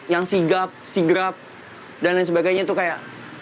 yang sigap sigrap dan lain sebagainya itu kayak